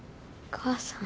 お母さん。